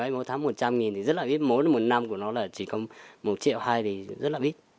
mỗi tháng một trăm linh thì rất là ít mỗi một năm của nó là chỉ có một triệu hai thì rất là ít